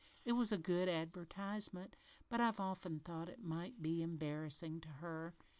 It was a good advertisement, but I've often thought it might be embarrassin' to her."